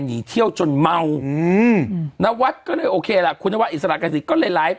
หนีเที่ยวจนเมาอืมนวัดก็เลยโอเคล่ะคุณนวัดอิสระกษีก็เลยไลฟ์